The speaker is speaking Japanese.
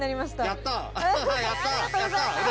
やった！